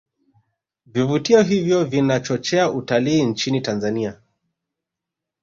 Vivutio hivyo vinachochea utalii nchini tanzania